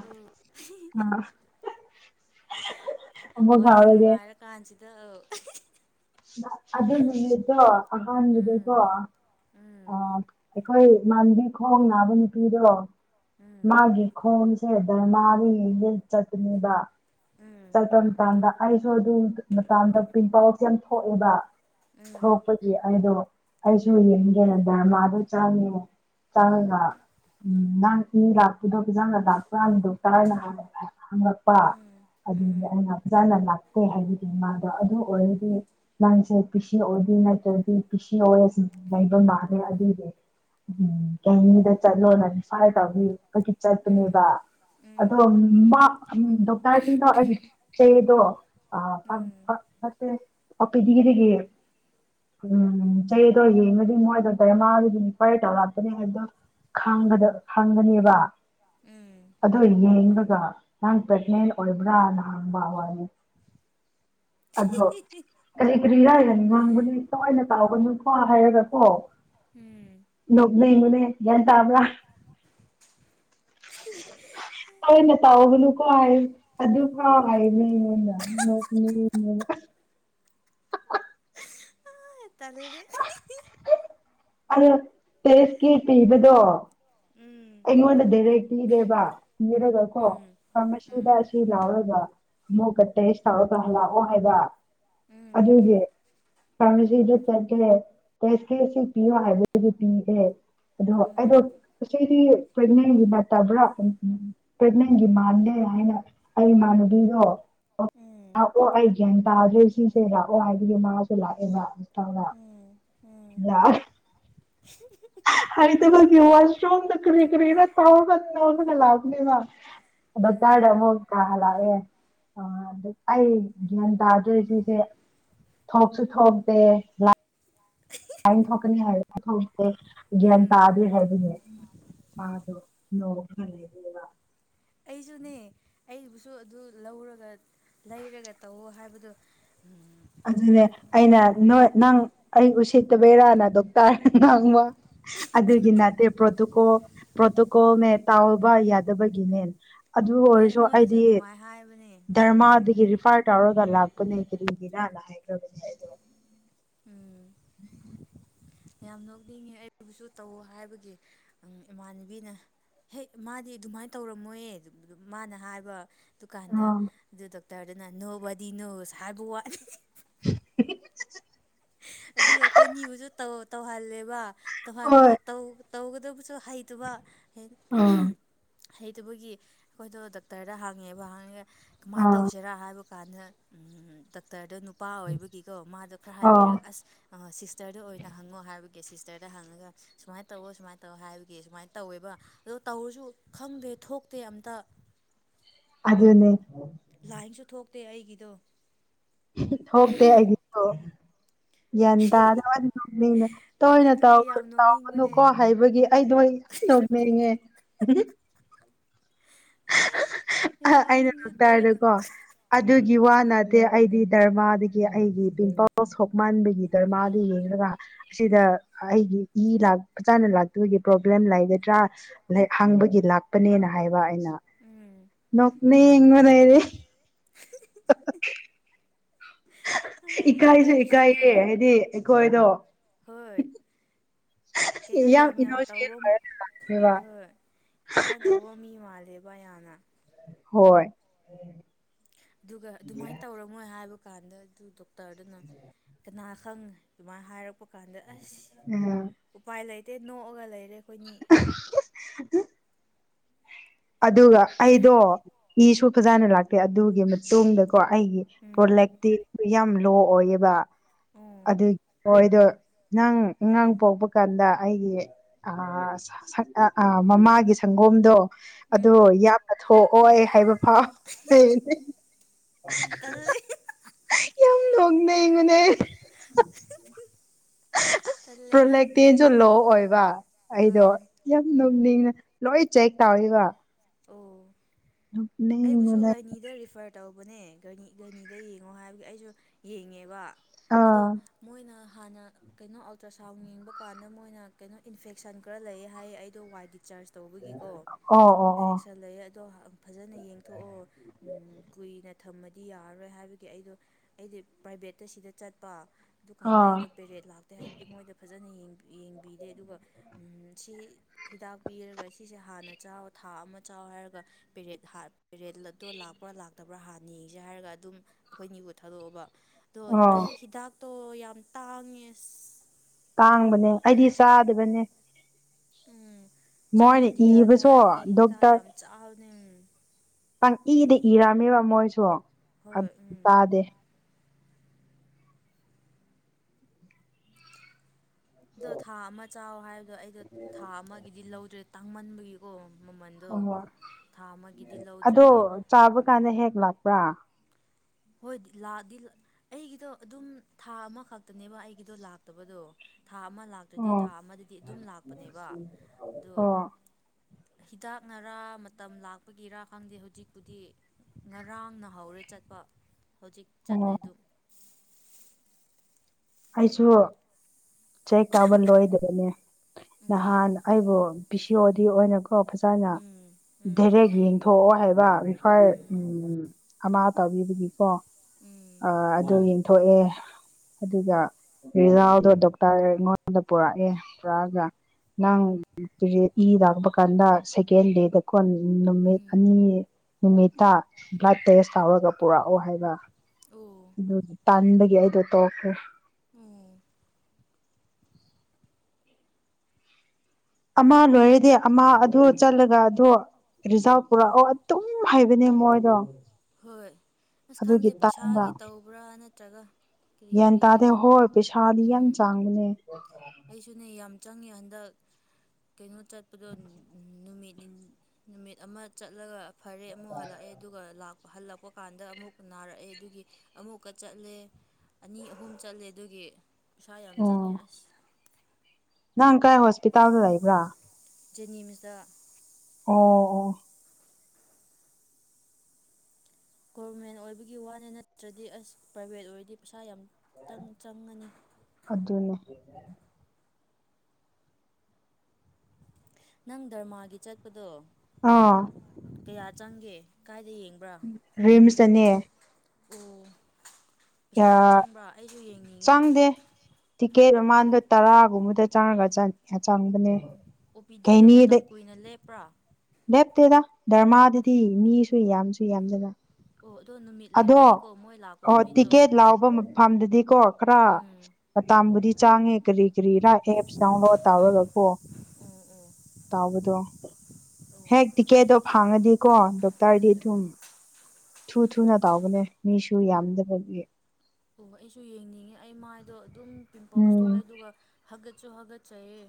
ꯎꯝ ꯎꯝ ꯋꯥꯔꯤ ꯅꯨꯡꯉꯥꯏꯔ ꯀꯥꯟꯁꯤꯗ ꯑꯗ ꯅꯨꯃꯤꯠꯇ ꯑꯍꯟꯕꯅꯦ ꯀꯣ ꯎꯝ ꯑ ꯎꯝ ꯑꯩꯈꯣꯏ ꯃꯥꯟꯕꯤ ꯈꯣꯡ ꯅꯥꯕ ꯅꯨꯄꯤꯗꯣ ꯎꯝ ꯃꯥꯒꯤ ꯈꯣꯟꯁꯦ ꯙꯔꯃꯥꯒꯤ ꯂꯤꯜꯆꯠꯅꯤꯕ ꯎꯝ ꯆꯠꯄ ꯃꯇꯝꯗ ꯑꯩꯁꯨ ꯑꯗꯨ ꯃꯇꯝꯗ ꯄꯝꯄꯥꯎꯁ ꯌꯥꯝ ꯊꯣꯛꯑꯦꯕ ꯎꯝ ꯎꯝ ꯊꯣꯛꯄꯒꯤ ꯑꯩꯗꯣ ꯑꯩꯁꯨ ꯌꯦꯡꯒꯦꯅ ꯗꯔꯃꯥꯗꯣ ꯆꯪꯉꯦ ꯆꯥꯡꯅ ꯎꯝ ꯅꯪ ꯏ ꯂꯥꯛꯄꯗꯣ ꯈꯤ ꯆꯪꯅ ꯂꯥꯛꯄ ꯌꯥꯕꯗꯣ ꯇꯥꯏꯅ ꯍꯥꯏ ꯍꯪꯉꯛꯄ ꯎꯝ ꯑꯗꯨꯗꯤ ꯑꯩꯅ ꯐꯖꯅ ꯂꯥꯛꯇꯦ ꯍꯥꯏꯕꯒꯤ ꯃꯥꯗꯣ ꯑꯗꯨ ꯑꯣꯏꯔ ꯅꯪꯁꯦ ꯄꯤꯁꯤꯑꯣꯗꯤ ꯅꯠꯇ꯭ꯔꯗꯤ ꯄꯤꯁꯤ ꯑꯣꯏꯔꯁꯨ ꯂꯩꯕ ꯃꯥꯂꯦ ꯑꯗꯨꯏꯗꯤ ꯎꯝ ꯀꯩꯅꯤꯗ ꯆꯠꯂꯣꯅ ꯐꯥꯏ ꯇꯧꯅꯤ ꯀꯣꯏ ꯎꯝ ꯆꯠꯄꯅꯦꯕ ꯑꯗꯣ ꯎꯝ ꯃꯥ ꯗꯣꯛꯇꯔꯁꯤꯡꯗꯧꯑꯒ ꯀꯩꯗꯣ ꯑ ꯃꯦ ꯄꯄꯤꯗꯤꯤꯗꯒꯤ ꯎꯝ ꯆꯩꯗ ꯑꯣꯏꯒꯤ ꯑꯃꯗꯤꯗꯤ ꯃꯣꯏꯗꯧ ꯇꯔꯦ ꯃꯥꯥꯗꯨꯗꯤ ꯀ꯭ꯋꯥꯏꯔꯤ ꯇꯧꯔꯛꯄꯅꯦ ꯍꯥꯏꯗꯣ ꯈꯒꯗ ꯈꯥꯡꯒꯅꯦꯕ ꯎꯝ ꯑ ꯌꯦꯡꯂꯡꯒ ꯅꯪ ꯄ꯭ꯔꯦꯒꯅꯦꯟ ꯑꯣꯏꯕ꯭ꯔꯥꯅ ꯍꯥꯡꯕꯋꯥꯅꯤ [inaudible] ꯑꯗ ꯍꯣ ꯀꯔꯤ ꯀꯔꯤꯔꯥꯏꯒꯅ ꯍꯥꯡꯕꯅꯣꯋꯥꯏꯅ ꯇꯥꯎꯕꯅꯨꯀꯣ ꯍꯥꯏꯔꯒꯀꯣ ꯎꯝ ꯅꯣꯛꯅꯤꯡꯕꯅꯦ ꯒ꯭ꯌꯥꯟ ꯇꯕ꯭ꯔꯥ ꯎ ꯇꯋꯦ ꯅꯦꯠꯇꯑꯣ ꯅ ꯀꯥꯏ ꯑꯗꯨ ꯍ ꯏꯅꯤ ꯏꯉꯣꯟꯗ ꯅꯣꯛꯅꯤ ꯏꯉꯗ ꯇꯜ ꯑ ꯄꯦꯁꯀꯤ ꯄꯤꯕꯗꯣ ꯎꯝ ꯑꯩꯉꯣꯟꯗ ꯗꯥꯏꯔꯦꯛ ꯏꯤꯔꯦꯕ ꯏꯤꯔꯒ ꯀꯣ ꯎꯝ ꯎꯝ ꯐꯥꯔꯃꯥꯁꯤꯗ ꯎꯝ ꯑꯁꯤ ꯂꯥꯎꯔꯒ ꯃꯨꯒ ꯇꯦꯁꯥꯎꯗꯂ ꯑꯣ ꯍꯥꯏꯒ ꯎꯝ ꯐꯥꯔꯃꯥꯁꯤꯗ ꯆꯠꯀꯦ ꯇꯦꯁ ꯀꯦ ꯁꯤ ꯄꯤꯌꯣ ꯍꯥꯏꯕꯗꯨꯗꯤ ꯄꯤꯒ꯭ꯔꯦ ꯑꯗꯣ ꯑꯩꯗꯣ ꯁꯤꯔꯤ [unintelligible] ꯄꯔꯦꯛꯅꯦꯟꯒꯤ ꯃꯥꯟꯗꯦ ꯍꯥꯏꯅ ꯑꯩꯃꯥꯟꯅꯕꯤꯗꯣ ꯂꯥꯛꯑꯣ ꯑꯩ ꯒ꯭ꯌꯥꯟ ꯇꯥꯗ꯭ꯔꯦ ꯁꯤꯁꯦ ꯂꯥꯛꯑꯣ ꯍꯥꯏꯕꯒꯤ ꯃꯥꯁꯨ ꯂꯥꯛꯑꯦꯕ ꯑꯇꯥꯎꯗ ꯎꯝ ꯎꯝ ꯎꯝ [unintelligible] ꯍꯥꯏꯇꯕꯒꯤ ꯋꯥꯁꯔꯨꯝꯗ ꯀꯔꯤ ꯀꯔꯤꯔ [unintelligible] ꯗꯣꯛꯇꯥꯔ ꯗ ꯑꯃꯨꯛ ꯀ ꯍꯜꯂꯛꯑꯦ ꯑꯥ ꯗ ꯑꯩ ꯒ꯭ꯌꯥꯟ ꯇꯥꯗ꯭ꯔꯦ ꯁꯤꯁꯦ ꯊꯣꯛꯁꯨ ꯊꯣꯛꯇꯦ ꯂꯥ ꯑꯩ ꯊꯣꯛꯀꯅꯤ ꯍꯥꯏ ꯊꯣꯛꯇꯦ ꯒ꯭ꯌꯥꯟ ꯎꯝ ꯇꯕꯤ ꯍꯥꯏꯕꯤꯅꯦ ꯃꯗꯣ ꯅꯣꯛꯈ꯭ꯔꯦ ꯑꯗꯨꯒ ꯑꯩꯁꯨꯅꯦ ꯑꯩꯕꯨꯁꯨ ꯑꯗꯨ ꯂꯧꯔꯒ ꯂꯩꯔꯒ ꯇꯧꯑꯣ ꯍꯥꯏꯕꯗꯣ ꯎꯝ ꯑꯗꯨꯅꯦ ꯑꯩꯅ ꯅꯣꯏ ꯅꯪ ꯑꯩ ꯎꯁꯤꯠꯇꯕꯩꯔꯥꯅ ꯗꯣꯛꯇꯔ ꯗ ꯉꯥꯡꯕ ꯑꯗꯨꯒꯤ ꯅꯠꯇꯦ ꯄ꯭ꯔꯣꯇꯨꯀꯣ ꯄ꯭ꯔꯣꯇꯣꯀꯣꯅꯦ ꯇꯥꯎꯕ ꯌꯥꯗꯕꯒꯤꯅꯦ ꯑꯗꯨ ꯍꯣꯏ ꯑꯣꯏꯔꯁꯨ ꯑꯩꯉꯣꯟꯗꯁꯨ ꯑꯩꯗꯤ ꯑꯗꯨꯃꯥꯏ ꯍꯥꯏꯕꯅꯦ ꯙꯔꯃꯥ ꯗꯒꯤ ꯔꯤꯄ꯭ꯔꯥꯠ ꯇꯧꯔꯒ ꯂꯥꯛꯄꯅꯦ ꯀꯤꯔꯤꯒꯤꯔꯥꯅ ꯍꯥꯏꯒ꯭ꯔꯕꯅꯦ ꯑꯩꯗꯤ ꯎꯝ [unintelligible] ꯌꯥꯝ ꯅꯣꯛꯅꯤꯡꯉꯦ ꯑꯩꯕꯨꯁꯨ ꯇꯧ ꯍꯥꯏꯕꯒꯤ ꯎꯝ ꯏꯃꯥꯟꯅꯕꯤꯅ ꯍꯦꯠ ꯃꯥꯗꯤ ꯑꯗꯨꯃꯥꯏꯅ ꯇꯧꯔꯝꯃꯣꯏꯌꯦ [unintelligible] ꯃꯅꯥ ꯍꯥꯏꯕ ꯗꯨ ꯀꯥꯟꯗ ꯑꯥ ꯑꯗꯨ ꯗꯣꯛꯇꯔꯗꯅ ꯅꯣꯕꯗꯤ ꯅꯣꯁ ꯍꯥꯏꯕ ꯋꯥꯠꯅꯤ [unintelligible] ꯑꯗꯨꯒ ꯑꯩꯈꯣꯏ ꯅꯤꯕꯨꯁꯨ ꯇꯧ ꯇꯧꯍꯜꯂꯦꯕ ꯇꯧꯍꯟꯕ ꯍꯣꯏ ꯇꯧ ꯇꯧꯒꯗꯕꯁꯨ ꯍꯩꯇꯕ ꯍꯦ ꯑꯥ ꯍꯩꯇꯕꯒꯤ ꯑꯩꯈꯣꯏꯗꯣ ꯗꯥꯛꯇꯔꯗ ꯍꯥꯡꯉꯦꯕ ꯍꯥꯡꯉꯒ ꯀꯃꯥꯏꯅ ꯑꯥ ꯇꯧꯁꯤꯔꯥ ꯍꯥꯏꯕ ꯀꯥꯟꯗ ꯗꯥꯛꯇꯔꯗꯣ ꯅꯨꯄꯥ ꯑꯣꯏꯕꯒꯤꯀꯣ ꯃꯥꯗꯣ ꯈꯔ ꯑꯥ ꯍꯥꯏꯕꯤꯔꯒ ꯑꯁ ꯑꯥ ꯁꯤꯁꯇꯔꯗ ꯑꯣꯏꯅ ꯍꯪꯉꯣ ꯍꯥꯏꯕꯒꯤ ꯁꯤꯁꯇꯔꯗ ꯍꯪꯉꯒ ꯁꯨꯃꯥꯏꯅ ꯇꯧꯋꯣ ꯁꯨꯃꯥꯏꯅ ꯇꯧ ꯍꯥꯏꯕꯒꯤ ꯁꯨꯃꯥꯏꯅ ꯇꯧꯋꯦꯕ ꯑꯗꯣ ꯇꯧꯔꯁꯨ ꯈꯪꯗꯦ ꯊꯣꯛꯇꯦ ꯑꯝꯇ ꯑꯗꯨꯅꯦ ꯂꯥꯏꯟꯁꯨ ꯊꯣꯛꯇꯦ ꯑꯩꯒꯤꯗꯣ ꯍꯤꯛꯊꯣꯛꯇꯦ ꯑꯩꯗꯤꯀꯣ ꯒ꯭ꯌꯥꯟ ꯇꯥꯗꯅ [unintelligible] ꯍꯣꯏ ꯇꯣꯏꯅ ꯇꯧ ꯑꯗꯨꯒꯤ ꯌꯥꯝ ꯇꯧꯒꯅꯨꯀꯣ ꯅꯣꯛꯅꯤꯡꯕꯅꯦ ꯍꯥꯏꯕꯒꯤ ꯑꯩꯗꯣ ꯑꯩ ꯅꯣꯛꯅꯤꯡꯉꯦ ꯌꯥꯝ ꯑꯥ ꯑꯩꯅ ꯅꯣꯛꯅꯤꯡꯉꯦ ꯇꯣꯏꯅ ꯗꯥꯛꯇꯔꯗꯀꯣ ꯑꯗꯨꯒꯤ ꯎꯝ ꯋꯥꯅ ꯇꯦ ꯑꯩꯗꯤ ꯗꯔꯃꯥꯗꯒꯤ ꯑꯩꯒꯤ ꯄꯤꯝꯄꯜꯁ ꯍꯣꯛꯃꯟꯕꯒꯤ ꯗꯔꯃꯥꯗꯨ ꯌꯦꯡꯉꯒ ꯑꯁꯤꯗ ꯑꯩꯒꯤ ꯏ ꯂꯥꯛꯖꯥꯅ ꯂꯥꯛꯇꯕꯒꯤ ꯄ꯭ꯔꯣꯕ꯭ꯂꯦꯝ ꯂꯩꯒꯗ꯭ꯔꯥ ꯂꯥꯏꯛ ꯍꯥꯡꯕꯒꯤ ꯂꯥꯛꯄꯅꯦꯅ ꯍꯥꯏꯕ ꯑꯩꯅ ꯎꯝ ꯅꯣꯛꯅꯤꯡꯕꯅ ꯑꯩꯗꯤ [unintelligible] ꯏꯀꯥꯏꯖꯨ ꯑꯩꯕꯨꯁꯨꯅꯦ ꯏꯀꯥꯏꯌꯦ ꯍꯥꯏꯗꯤ ꯑꯩꯈꯣꯏꯗꯣ ꯍꯣꯏ ꯀꯩꯩꯅꯣ ꯌꯥꯝ ꯌꯥꯝ ꯏꯅꯣꯁꯦꯟ ꯇꯧꯕꯝ ꯑꯣꯏꯔ ꯂꯥꯛꯅꯦꯕ ꯍꯣꯏ ꯏꯔꯥꯡ ꯇꯧꯕ ꯃꯤ ꯃꯥꯜꯂꯦꯕ ꯌꯥꯝꯅ ꯍꯣꯏ ꯑꯗꯨꯒ ꯑꯗꯨꯃꯥꯏꯅ ꯇꯧꯔꯝꯃꯣꯏ ꯍꯥꯏꯕ ꯀꯥꯟꯗ ꯑꯗꯨ ꯗꯣꯛꯇꯔꯗꯨꯅ ꯀꯅꯥ ꯈꯪ ꯑꯗꯨꯃꯥꯏꯅ ꯍꯥꯏꯔꯛꯄ ꯀꯥꯟꯗ ꯑꯁ ꯎꯝ ꯎꯄꯥꯏ ꯂꯩꯇꯦ ꯅꯣꯛꯑꯒ ꯂꯩꯔꯦ ꯑꯩꯈꯣꯏꯅꯤ [unintelligible] ꯑꯗꯨꯒ ꯑꯩꯗꯣ ꯏꯁꯨ ꯐꯖꯅ ꯂꯥꯛꯇꯦ ꯑꯗꯨꯒꯤ ꯃꯇꯨꯡꯗ ꯀꯣ ꯑꯩꯒꯤ ꯎꯝ ꯄ꯭ꯔꯣꯂꯦꯛꯇꯤꯞ ꯌꯥꯝ ꯂꯣ ꯑꯣꯏꯌꯦꯕ ꯎꯝ ꯑꯗꯨ ꯍꯣꯏꯗꯣ ꯅꯪ ꯑꯉꯥꯡ ꯄꯣꯛꯄ ꯀꯥꯟꯗ ꯑꯩꯒꯤ ꯑꯥꯁ ꯑ ꯃꯃꯥꯒꯤ ꯁꯪꯒꯣꯝꯗꯣ ꯑꯗꯣ ꯎꯝ ꯌꯥꯝꯅ ꯊꯣꯛꯑꯣꯏ ꯍꯥꯏꯕ ꯐꯥꯎ ꯇꯜꯂꯦ ꯌꯥꯝ ꯅꯣꯡꯅꯤꯡꯕꯅꯦ ꯇꯜꯂꯦꯗ ꯄ꯭ꯔꯣꯗꯛꯇꯤꯁꯨ ꯂꯣ ꯑꯣꯏꯕ ꯑꯩꯗꯣ ꯎꯝ ꯌꯥꯝ ꯎꯝ ꯅꯣꯅꯤꯡꯅ ꯂꯣꯏ ꯆꯦꯛ ꯇꯥꯎꯏꯕ ꯑꯣ ꯑꯩꯕꯨꯁꯨ ꯒꯥꯏꯅꯤꯗ ꯔꯤꯐꯔ ꯇꯧꯕꯅꯦ ꯘꯅꯤꯗ ꯌꯦꯡꯉꯣ ꯍꯥꯏꯕꯒꯤ ꯑꯩꯁꯨ ꯌꯦꯡꯉꯦꯕ ꯑꯗꯣ ꯑꯥ ꯃꯣꯏꯅ ꯍꯥꯟꯅ ꯀꯩꯅꯣ ꯑꯜꯇ꯭ꯔ ꯁꯥꯎꯟ ꯌꯦꯡꯕ ꯀꯥꯟꯗ ꯃꯣꯏꯅ ꯀꯩꯅꯣ ꯏꯟꯐꯦꯛꯁꯟ ꯈꯔ ꯂꯩꯌꯦ ꯍꯥꯏꯌꯦ ꯑꯩꯗꯣ ꯋꯥꯏ ꯗꯤ ꯆꯔꯁ ꯇꯧꯕꯒꯤꯀꯣ ꯑꯣ ꯑꯣ ꯑꯣ ꯏꯟꯐꯦꯛꯁꯟ ꯂꯩ ꯑꯗꯣ ꯐꯥꯖꯅ ꯌꯦꯡ ꯊꯣꯂꯛꯑꯣ ꯀꯨꯏꯅ ꯊꯝꯃꯗꯤ ꯌꯥꯔꯔꯣꯏ ꯍꯥꯏꯕꯒꯤ ꯑꯩꯗꯣ ꯑꯩꯗꯤ ꯄ꯭ꯔꯥꯏꯚꯦꯠꯇ ꯁꯤꯗ ꯆꯠꯄ ꯑꯗꯨꯀꯥꯟꯗ ꯑꯥ ꯑꯩꯗꯣ ꯄꯦꯔꯦꯠ ꯂꯥꯛꯇꯦ ꯍꯥꯏꯕꯒꯤ ꯃꯣꯏꯗ ꯐꯥꯖꯅ ꯌꯦꯡꯕꯤꯗꯦ ꯑꯗꯨꯒ ꯁꯤ ꯍꯤꯗꯥꯛ ꯄꯤꯔꯒ ꯁꯤꯁꯦ ꯍꯥꯟꯅ ꯆꯥꯎ ꯊꯥ ꯑꯃ ꯆꯥꯎ ꯍꯥꯏꯔꯒ ꯄꯦꯔꯦꯠ ꯔꯦꯜ ꯑꯠꯇꯣ ꯂꯥꯛꯄ꯭ꯔꯥ ꯂꯥꯛꯇꯕ꯭ꯔꯥ ꯍꯥꯟꯅ ꯌꯦꯡꯁꯦ ꯍꯥꯏꯔꯒ ꯑꯗꯨꯝ ꯑꯩꯈꯣꯏ ꯅꯤꯌꯨ ꯊꯥꯗꯣꯛꯑꯕ ꯑꯣ ꯑꯩ ꯍꯤꯗꯥꯛꯇꯣ ꯌꯥꯝ ꯇꯥꯡꯉꯦꯁ ꯇꯥꯡꯕꯅꯦ ꯑꯩꯗꯤ ꯆꯥꯗꯕꯅꯦ ꯎꯝ ꯃꯣꯏꯅ ꯆꯥꯗ꯭ꯔꯗꯤ ꯌꯥꯗꯦ ꯏꯕꯁꯨ ꯍꯥꯏꯕꯒꯤ ꯍꯤꯗꯥꯛ ꯌꯥꯝ ꯆꯥꯎꯕꯅꯤ ꯎꯝ ꯄꯪ ꯏꯗ ꯏꯔꯝꯃꯦꯕ ꯃꯣꯏꯁꯨ ꯍꯣꯏ ꯑꯗꯨ ꯎꯝ ꯇꯥꯗꯦ ꯑꯗꯣ ꯊꯥ ꯑꯃ ꯆꯥꯎ ꯍꯥꯏꯕꯗꯣ ꯑꯩꯗꯣ ꯊꯥ ꯑꯃꯒꯤꯗꯤ ꯂꯧꯗ꯭ꯔꯦ ꯇꯥꯡꯃꯟꯕꯒꯤ ꯀꯣ ꯃꯃꯟꯗꯣ ꯑꯣ ꯊꯥ ꯑꯃꯒꯤꯗꯤ ꯂꯧꯗ꯭ꯔꯦ ꯑꯗꯣ ꯆꯥꯕ ꯀꯥꯟꯗ ꯍꯦꯛ ꯂꯥꯛꯄ꯭ꯔꯥ ꯍꯣꯏꯗꯤ ꯂꯥꯛꯑꯗꯤ ꯑꯩꯒꯤꯗꯣ ꯑꯗꯨꯝ ꯊꯥ ꯑꯃꯈꯛꯇꯅꯦꯕ ꯑꯩꯒꯤꯗꯣ ꯂꯥꯛꯇꯕꯗꯣ ꯊꯥ ꯑꯃ ꯂꯥꯛ ꯑꯗꯨꯗꯤ ꯑꯣ ꯊꯥ ꯑꯃꯗꯗꯤ ꯑꯗꯨꯝ ꯂꯥꯛꯄꯅꯦꯕ ꯑꯗꯣ ꯑꯣ ꯍꯤꯗꯥꯛꯅꯔꯥ ꯃꯇꯝ ꯂꯥꯛꯄꯒꯤꯔꯥ ꯈꯪꯗꯦ ꯍꯧꯖꯤꯛꯄꯨꯗꯤ ꯉꯔꯥꯡꯅ ꯍꯧꯔꯦ ꯆꯠꯄ ꯍꯧꯖꯤꯛ ꯆꯠꯂꯦ ꯑꯣ ꯑꯗꯨ ꯑꯩꯁꯨ ꯆꯩꯛ ꯀꯥꯕ ꯂꯣꯏꯗꯕꯅꯦ ꯎꯝ ꯅꯍꯥꯟ ꯑꯩꯕꯨ ꯕꯤ ꯁꯤ ꯑꯣꯗꯤ ꯑꯣꯏꯅꯀꯣ ꯐꯖꯅ ꯎꯝ ꯗꯥꯦꯔꯦꯛ ꯌꯦꯡ ꯊꯣꯛꯑꯣ ꯍꯥꯏꯕ ꯔꯤꯐꯥꯏꯔ ꯎꯝ ꯑꯃ ꯇꯥꯕꯤꯕꯒꯤꯀꯣ ꯎꯝ ꯑ ꯑꯗꯨ ꯌꯦꯡꯊꯣꯛꯑꯦ ꯑꯗꯨꯒ ꯔꯤꯖꯥꯎꯗꯣ ꯗꯣꯛꯇꯔ ꯑꯩꯉꯣꯟꯗ ꯄꯨꯔꯛꯑꯦ ꯄꯨꯔꯛꯑꯒ ꯅꯪꯖꯤꯗꯤ ꯏꯗꯥꯛꯄ ꯀꯥꯟꯗ ꯁꯦꯀꯦꯟ ꯗꯦ ꯗꯀꯣ ꯎꯝ ꯅꯨꯃꯤꯠ ꯎꯝ ꯑꯅꯤ ꯅꯨꯃꯤꯠꯇ ꯕ꯭ꯂꯗ ꯇꯦꯁ ꯇꯧꯔꯒ ꯄꯨꯔꯛꯑꯣ ꯍꯥꯏꯕ ꯑꯣ ꯑꯗꯨ ꯇꯟꯕꯒꯤ ꯑꯩꯗꯣ ꯇꯣꯛꯈ꯭ꯔꯦ ꯎꯝ ꯑꯃ ꯂꯣꯏꯔꯗꯤ ꯑꯃ ꯑꯗꯣ ꯆꯠꯂꯒ ꯑꯗꯣ ꯔꯤꯖꯥ ꯄꯨꯔꯛꯑꯣ ꯑꯗꯨꯝ ꯍꯩꯕꯅꯦ ꯃꯣꯏꯗꯣ ꯍꯣꯏ ꯑꯁ ꯑꯗꯨꯒꯤ ꯈꯪꯗꯦ ꯇꯥꯟꯕ ꯄꯩꯁꯥꯒꯤ ꯇꯧꯕ꯭ꯔꯥ ꯅꯠꯇ꯭ꯔꯒ ꯀꯔꯤ ꯒ꯭ꯌꯥꯟ ꯇꯥꯗꯦ ꯀꯔꯤꯒꯤꯔꯥ ꯍꯣꯏ ꯄꯩꯁꯥꯗꯤ ꯌꯥꯝ ꯎꯝ ꯆꯥꯡꯕꯅꯦ ꯑꯩꯁꯨꯅꯦ ꯌꯥꯝ ꯆꯪꯉꯦ ꯍꯟꯗꯛ ꯀꯩꯅꯣ ꯆꯠꯄꯗꯣ ꯅꯨꯃꯤꯠ ꯅꯨꯃꯤꯠ ꯑꯃ ꯆꯠꯂꯒ ꯐꯔꯦ ꯑꯃꯨꯛ ꯍꯜꯂꯛꯑꯦ ꯑꯗꯨꯒ ꯂꯥꯛꯄ ꯍꯜꯂꯛꯄ ꯀꯥꯟꯗ ꯑꯃꯨꯛꯀ ꯅꯥꯔꯛꯑꯦ ꯑꯗꯨꯒꯤ ꯑꯃꯨꯛꯀ ꯆꯠꯂꯦ ꯑꯅꯤ ꯑꯍꯨꯝ ꯆꯠꯂꯦ ꯑꯗꯨꯒꯤ ꯄꯩꯁꯥ ꯌꯥꯝ ꯑꯣ ꯆꯪꯉꯦ ꯑꯁ ꯅꯪ ꯀꯥꯏ ꯍꯣꯁꯄꯤꯇꯥꯜꯗ ꯂꯩꯕ꯭ꯔꯥ ꯖꯦꯅꯤꯝꯁꯇ ꯑꯣ ꯑꯣ ꯒꯣꯕꯔꯃꯦꯟ ꯑꯣꯏꯕꯒꯤ ꯋꯥꯅꯦ ꯅꯠꯇ꯭ꯔꯗꯤ ꯑꯁ ꯄ꯭ꯔꯥꯏꯚꯦꯠ ꯑꯣꯏꯔꯗꯤ ꯄꯩꯁꯥ ꯌꯥꯝꯅꯥ ꯆꯪꯉꯅꯤ ꯑꯗꯨꯅ‌ꯦ ꯅꯪ ꯗ꯭ꯔꯃꯥꯒꯤ ꯆꯠꯄꯗꯣ ꯑꯥ ꯀꯌꯥ ꯆꯪꯒꯦ ꯀꯥꯏꯗ ꯌꯦꯡꯕ꯭ꯔꯥ ꯔꯤꯝꯁꯇꯅꯦ ꯑꯣ ꯄꯩꯁꯥ ꯌꯥꯝ ꯆꯪꯕ꯭ꯔꯥ ꯑꯩꯁꯨ ꯌꯦꯡꯅꯤꯡꯉꯦ ꯆꯪꯗꯦ ꯇꯤꯛꯀꯦꯠ ꯃꯃꯥꯟꯗꯣ ꯑꯣ ꯇꯔꯥꯒꯨꯝꯕꯗ ꯆꯥꯔꯒ ꯆꯥꯡꯕꯅꯦ ꯑꯣ ꯑꯣ ꯄꯤ ꯗꯤꯗꯣ ꯀꯩꯅꯤꯗ ꯃꯇꯝ ꯀꯨꯏꯅ ꯂꯦꯞꯄ꯭ꯔꯥ ꯂꯦꯞꯇꯦꯗ ꯗꯔꯃꯥꯗꯨꯗꯤ ꯃꯤꯁꯨ ꯌꯥꯝꯁꯨ ꯌꯥꯝꯗꯅ ꯑꯣ ꯑꯗꯣ ꯅꯨꯃꯤꯠ ꯑꯗꯣ ꯂꯩꯔꯝꯅꯤꯀꯣ ꯃꯣꯏ ꯂꯥꯛ ꯑꯣ ꯇꯤꯀꯦꯠ ꯂꯥꯎꯕ ꯃꯐꯝꯗꯨꯗꯤꯀꯣ ꯈꯔ ꯎꯝ ꯃꯇꯥꯝꯕꯨꯗꯤ ꯆꯥꯡꯉꯦ ꯀꯔꯤ ꯀꯔꯤꯔ ꯑꯦꯞꯁ ꯗꯥꯎꯟꯂꯣꯗ ꯇꯧꯔꯒ ꯀꯣ ꯎꯝ ꯍꯦꯛ ꯇꯤꯛꯀꯦꯠꯇꯣ ꯐꯥꯡꯉꯗꯤꯀꯣ ꯗꯣꯛꯇ꯭ꯔꯗꯤ ꯎꯝ ꯑꯗꯨꯝ ꯊꯨ ꯊꯨꯅ ꯇꯥꯎꯕꯅꯦ ꯃꯤꯁꯨ ꯑꯣ ꯌꯥꯝꯗꯕꯒꯤ ꯑꯣ ꯑꯩꯁꯨ ꯌꯦꯡꯅꯤꯡꯉꯦ ꯑꯩ ꯃꯥꯏꯗꯣ ꯑꯗꯨꯝ ꯄꯤꯝꯄꯜꯁ ꯎꯝ ꯊꯣꯛꯑꯦ ꯑꯗꯨꯒ ꯍꯥꯀꯠꯁꯨ ꯍꯥꯀꯠꯆꯩꯌꯦ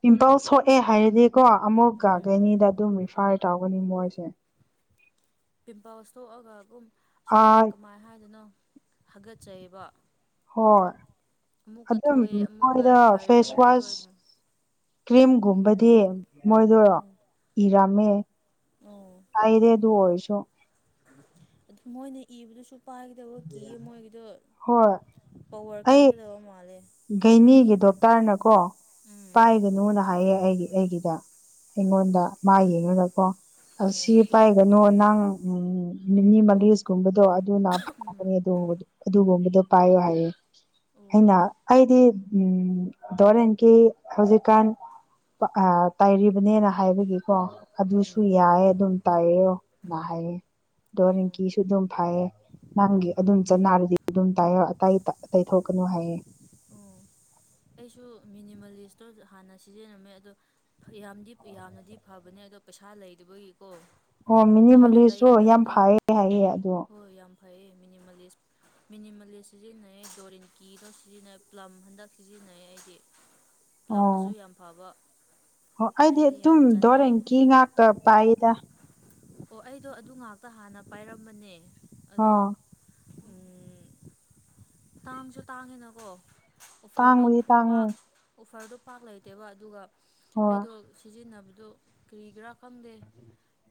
ꯄꯤꯝꯄꯜ ꯁꯣꯛꯑꯦ ꯍꯥꯏꯔꯗꯤꯀꯣ ꯑꯃꯨꯛ ꯎꯝ ꯒꯥꯒꯦꯅꯤꯗ ꯑꯗꯨꯝ ꯔꯤꯐꯥꯏ ꯇꯧꯒꯅꯤ ꯃꯣꯏꯁꯦ ꯄꯤꯝꯄꯜꯁ ꯊꯣꯛꯑꯒ ꯑꯗꯨꯝ ꯁꯨꯃꯥꯏ ꯑꯥ ꯀꯃꯥꯏ ꯍꯥꯏꯗꯅꯣ ꯍꯥꯒꯠꯆꯩꯑꯕ ꯍꯣꯏ ꯑꯗꯨꯝ ꯑꯃꯨꯛꯀ ꯃꯣꯏꯗ ꯐꯔꯦ ꯐꯦꯁ ꯑꯃꯨꯛꯀ ꯋꯥꯁ ꯊꯣꯛꯑꯦ ꯑꯗꯨꯝ ꯀ꯭ꯔꯤꯝꯒꯨꯝꯕ ꯗ‌ꯦ ꯃꯣꯏꯗ‌ꯣ ꯎꯝ ꯏꯔꯝꯃꯦ ꯑꯣ ꯍꯥꯏꯗꯦ ꯑꯗꯨ ꯑꯣꯏꯔꯁꯨ ꯑꯗꯨ ꯃꯣꯏꯅ ꯏꯕꯗꯁꯨ ꯄꯥꯏꯒꯗꯕ ꯀꯤꯌꯦ ꯃꯣꯏꯒꯤꯗꯣ ꯍꯣꯏ ꯄꯋꯥ꯭ꯔ ꯀꯟꯒꯥꯗꯕ ꯃꯥꯜꯂꯦ ꯘꯩꯅꯤꯒꯤ ꯗꯣꯛꯇ꯭ꯔꯅꯀꯣ ꯎꯝ ꯄꯥꯏꯒꯅꯨꯅ ꯍꯥꯏꯌꯦ ꯑꯩꯒꯤ ꯑꯩꯒꯤꯗ ꯑꯣ ꯑꯩꯉꯣꯟꯗ ꯃꯥ ꯌꯦꯡꯉꯒꯀꯣ ꯑꯣ ꯁꯤ ꯄꯥꯏ ꯀꯩꯅꯣ ꯅꯪ ꯃꯤꯅꯤꯃꯥꯂꯤꯁ ꯀꯨꯝꯕꯗꯣ ꯑꯗꯨꯅ ꯐꯥꯕꯅꯦ ꯑꯗꯨꯕꯨꯗꯤ ꯑꯗꯨꯒꯨꯝꯕꯗꯣ ꯄꯥꯏꯌ‌ꯦ ꯍꯥꯏꯌꯦ ꯑꯣ ꯑꯩꯅ ꯑꯩꯗꯤ ꯎꯝ ꯗꯣꯔꯦꯟꯒꯤ ꯍꯧꯖꯤꯛꯀꯥꯟ ꯑ ꯇꯥꯏꯔꯤꯕꯅꯦꯅ ꯍꯥꯏꯕꯒꯤꯀꯣ ꯑꯗꯨꯁꯨ ꯎꯝ ꯌꯥꯏꯑ‌ꯦ ꯑꯗꯨꯝ ꯇꯥꯏꯌ‌ꯣ ꯅꯥ ꯍꯥꯏꯌꯦ ꯗꯣꯔꯤꯟ ꯑꯣ ꯀꯤꯁꯨ ꯑꯗꯨꯝ ꯐꯥꯏꯌꯦ ꯅꯪꯒꯤ ꯑꯗꯨꯝ ꯆꯠꯅꯔꯗꯤ ꯑꯗꯨꯝ ꯇꯥꯏꯌꯣ ꯑ ꯑꯇꯇꯩꯊꯣꯛꯀꯅꯨ ꯍꯥꯏꯌꯦ ꯎꯝ ꯑꯩꯁꯨ ꯃꯤꯅꯤꯃꯜꯂꯤꯁꯇ‌ꯣ ꯍꯥꯟꯅ ꯁꯤꯖꯤꯟꯅꯔꯝꯃꯦ ꯑꯗꯣ ꯐꯌꯥꯝꯗꯤ ꯌꯥꯝꯅꯗꯤ ꯐꯕꯅꯦ ꯑꯗꯣ ꯄꯩꯁꯥ ꯂꯩꯇꯥꯕꯥꯒꯤꯀꯣ ꯍ‌ꯣ ꯃꯤꯅꯤꯃꯥꯂꯤꯁꯁꯨ ꯌꯥꯝ ꯐꯥꯏꯌꯦ ꯍꯥꯏꯌꯦ ꯑꯗꯣ ꯍꯣꯏ ꯌꯥꯝ ꯐꯩꯌꯦ ꯃꯤꯅꯤꯃꯂꯤꯁ ꯃꯤꯅꯤꯃꯂꯤꯁ ꯁꯤꯖꯤꯟꯅꯩ ꯗꯣꯔꯤꯟ ꯀꯤꯗꯣ ꯁꯤꯖꯤꯟꯅꯩ ꯄ꯭ꯂꯝ ꯍꯟꯗꯛ ꯁꯤꯖꯤꯟꯅꯩꯌ‌ꯦ ꯑꯩꯗꯤ ꯑꯣ ꯄ꯭ꯂꯝꯗꯨꯁꯨ ꯌꯥꯝ ꯐꯥꯕ ꯑꯣ ꯑꯩꯗꯤ ꯑꯗꯨꯝ ꯗꯣꯔꯦꯟꯀꯤ ꯉꯥꯛꯇ ꯄꯥꯏꯗ ꯑꯣ ꯑꯩꯗꯣ ꯑꯗꯨ ꯉꯥꯛꯇ ꯍꯥꯟꯅ ꯄꯥꯏꯔꯝꯕꯅꯦ ꯑꯗꯣ ꯑꯣ ꯎꯝ ꯇꯥꯡꯁꯨ ꯇꯥꯡꯉꯤꯅꯀꯣ ꯑꯣꯐ꯭ꯔꯗꯣ ꯇꯥꯡꯕꯗꯤ ꯇꯥꯡꯉꯦ ꯄꯥꯛ ꯑꯣꯐ꯭ꯔꯗꯣ ꯄꯥꯛ ꯂꯩꯇꯦꯕ ꯑꯗꯨꯒ ꯍꯣꯏ ꯑꯩꯗꯣ ꯁꯤꯖꯤꯟꯅꯕꯗꯨ ꯀ꯭ꯔꯤꯒꯤꯔꯥ ꯈꯪꯗꯦ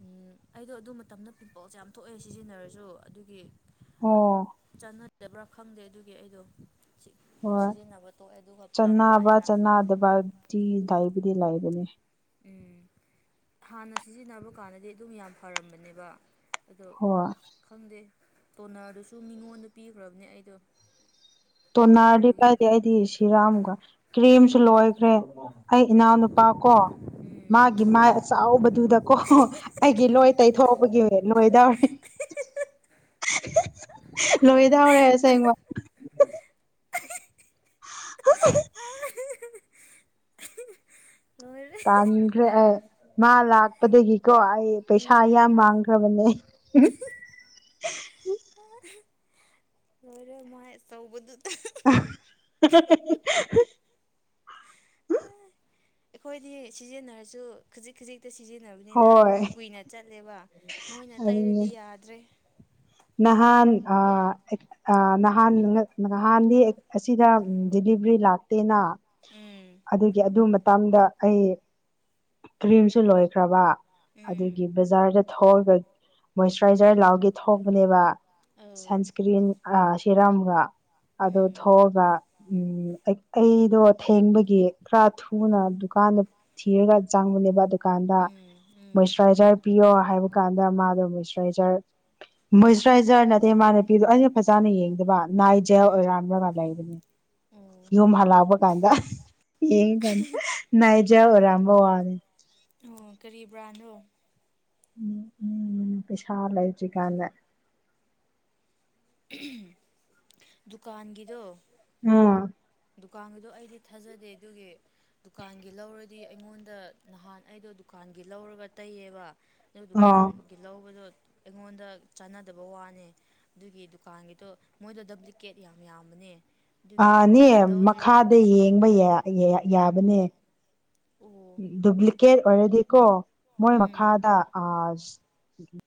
ꯎꯝ ꯑꯩꯗꯣ ꯑꯗꯨ ꯃꯇꯝꯗ ꯄꯤꯝꯄꯜꯁꯦ ꯌꯥꯝ ꯊꯣꯛꯑꯦ ꯁꯤꯖꯤꯟꯅꯔꯁꯨ ꯑꯗꯨꯒꯤ ꯑꯣ ꯆꯥꯟꯅꯗꯕ꯭ꯔꯥ ꯈꯪꯗꯦ ꯑꯗꯨꯒꯤ ꯑꯩꯗꯣ ꯍꯣꯏ ꯁꯤꯖꯤꯟꯅꯕ ꯐꯕ ꯇꯣꯛꯑꯦ ꯑꯗꯨꯒ ꯄ꯭ꯂꯝꯗ ꯑꯩꯅ ꯑꯃꯨꯛ ꯁꯤ ꯗꯥꯏꯕꯨꯗꯤ ꯂꯥꯏꯕꯅꯦ ꯎꯝ ꯍꯥꯟꯅ ꯁꯤꯖꯤꯟꯅꯕ ꯀꯥꯟꯗꯗꯤ ꯑꯗꯨꯝ ꯌꯥꯝ ꯐꯔꯝꯕꯅꯦꯕ ꯑꯗꯣ ꯍꯣꯏ ꯈꯪꯗꯦ ꯇꯣꯟꯅ꯭ꯔꯗꯨꯁꯨ ꯃꯤꯉꯣꯟꯗ ꯄꯤꯈ꯭ꯔꯕꯅꯦ ꯑꯩꯗꯣ ꯇꯣꯟꯅ꯭ꯔꯗꯤ ꯌꯥꯗꯕꯒꯤ ꯀꯥꯏꯗꯩ ꯑꯩꯗꯤ ꯁꯤꯔꯥꯝꯒ ꯀ꯭ꯔꯤꯝꯁꯨ ꯂꯣꯏꯈ꯭ꯔꯦ ꯑꯩ ꯏꯅꯥꯎꯅꯨꯄꯥ ꯀꯣ ꯎꯝ ꯃꯥꯒꯤ ꯃꯥꯏ ꯑꯆꯥꯎꯕꯗꯨꯗꯀꯣ ꯑꯩꯒꯤ ꯂꯣꯏ ꯇꯩꯊꯣꯛꯄꯒꯤ ꯂꯣꯏꯗꯧꯔꯦ ꯂꯣꯏꯗꯧꯔꯦ ꯑꯁꯦꯡꯕ ꯑ ꯍꯥ ꯂꯣꯏꯔꯦ ꯇꯥꯟꯈ꯭ꯔꯦ ꯑꯦ ꯃꯥ ꯂꯥꯛꯄꯗꯒꯤꯀꯣ ꯑꯩ ꯄꯩꯁꯥ ꯎꯝ ꯌꯥꯝ ꯃꯥꯡꯈ꯭ꯔꯦ ꯐꯕꯅꯦꯅꯦ ꯂꯣꯏꯔꯦ ꯃꯥꯏ ꯑꯆꯧꯕꯗꯨꯗ ꯑꯍꯥꯍꯥꯍꯥ ꯑꯩꯈꯣꯏꯗꯤ ꯁꯤꯖꯤꯟꯅꯔꯁꯨ ꯈꯖꯤꯛ ꯈꯖꯤꯛ ꯁꯤꯖꯤꯟꯅꯕꯅꯤꯅ ꯑꯗꯨꯝ ꯍꯣꯏ ꯀꯨꯏꯅ ꯆꯠꯂꯦꯕ ꯃꯣꯏꯅ ꯑꯗꯨꯅꯦ ꯇꯩꯔꯗꯤ ꯌꯥꯗ꯭ꯔꯦ ꯅꯍꯥꯟ ꯑꯥ ꯑ ꯅꯍꯥꯟ ꯅꯍꯥꯟꯗꯤ ꯑꯁꯤꯗ ꯗꯤꯂꯤꯚꯔꯤ ꯂꯥꯛꯇꯦꯅ ꯎꯝ ꯑꯗꯨꯒꯤ ꯑꯗꯨ ꯃꯇꯝꯗ ꯑꯩ ꯀ꯭ꯔꯤꯝꯁꯨ ꯂꯣꯏꯈ꯭ꯔꯕ ꯑꯗꯨꯒꯤ ꯎꯝ ꯕꯖꯥꯔꯗ ꯊꯣꯛꯑꯒ ꯃꯣꯏꯆꯔꯥꯏꯖꯔ ꯂꯥꯎꯒꯦ [unintelligible] ꯅꯦꯕ ꯑꯧ ꯁꯟꯁꯀ꯭ꯔꯤꯟ ꯑ ꯁꯤꯔꯝꯒ ꯑꯗꯨ ꯎꯝ ꯊꯣꯛꯑꯒ ꯑꯩ ꯑꯩꯗꯣ ꯊꯦꯡꯕꯒꯤ ꯈꯔ ꯊꯨꯅ ꯗꯨꯀꯥꯟꯗ ꯊꯤꯔꯒ ꯆꯪꯕꯅꯦꯕ ꯗꯨꯀꯥꯟꯗ ꯎꯝ ꯎꯝ ꯃꯣꯏꯁꯨ [unintelligible] ꯄꯤꯌꯣ ꯍꯥꯏꯕ ꯀꯥꯟꯗ ꯃꯥꯗꯣ ꯃꯣꯏꯁꯆꯔꯥꯏꯖꯔ ꯃꯣꯏꯆꯔꯥꯏꯖꯔ ꯅꯠꯇꯦ ꯃꯥ ꯅꯨꯄꯤꯗꯨ ꯑꯩꯅ ꯐꯖꯅ ꯌꯦꯡꯗꯕ ꯅꯥꯏꯠ ꯖꯦꯜ ꯎꯝ ꯑꯣꯏꯔꯝꯂꯒ ꯂꯩꯕꯅꯦ ꯑꯣ ꯌꯨꯝ ꯍꯜꯂꯛꯄ ꯀꯥꯟꯗ ꯌꯦꯡꯉ ꯀꯥꯟꯗ ꯅꯥꯏꯠꯖꯦꯜ ꯑꯣꯏꯔꯝꯕ ꯋꯥꯅꯤ ꯑꯣ ꯀꯔꯤ ꯕ꯭ꯔꯥꯟꯅꯣ ꯄꯩꯁꯥ ꯂꯩꯇ꯭ꯔꯤꯀꯥꯟꯗ ꯗꯨꯀꯥꯟꯒꯤꯗꯣ [unintelligible] ꯗꯨꯀꯥꯟꯒꯤꯗꯣ ꯑꯩꯗꯤ ꯊꯥꯖꯗꯦ ꯑꯗꯨꯒꯤ ꯗꯨꯀꯥꯟꯒꯤ ꯂꯧꯔꯗꯤ ꯑꯩꯉꯣꯟꯗ ꯅꯍꯥꯟ ꯑꯩꯗꯣ ꯗꯨꯀꯥꯟꯒꯤ ꯂꯧꯔꯒ ꯇꯩꯌꯦꯕ ꯑꯗꯨ ꯑꯣ ꯗꯨꯀꯥꯟꯒꯤ ꯂꯧꯕꯗꯣ ꯑꯩꯉꯣꯟꯗ ꯆꯥꯟꯅꯗꯕ ꯋꯥꯅꯦ ꯑꯗꯨꯒꯤ ꯗꯨꯀꯥꯟꯒꯤꯗꯣ ꯃꯣꯏꯗꯣ ꯗꯕ꯭ꯂꯤꯀꯦꯠ ꯌꯥꯝ ꯌꯥꯝꯕꯅꯦ ꯑꯗꯨꯒꯤ ꯗꯨ ꯅꯦ ꯃꯈꯥꯗ ꯌꯦꯡꯕ ꯌꯥ ꯌꯥ ꯌꯥꯕꯅꯦ ꯑꯣ ꯗꯨꯄ꯭ꯂꯤꯀꯦꯠ ꯑꯣꯏꯔꯗꯤꯀꯣ ꯃꯣꯏ ꯎꯝ ꯃꯈꯥꯗ ꯑꯥ